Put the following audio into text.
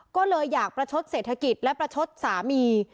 ก็เลยอยากประชดเศรษฐกิจและประชดสามี